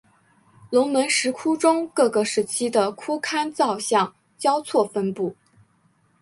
龙门石窟中各个时期的窟龛造像交错分布。